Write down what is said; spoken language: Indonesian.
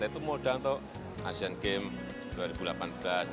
itu mudah untuk asian games dua ribu delapan belas